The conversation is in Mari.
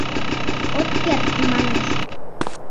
— От керт, — манеш.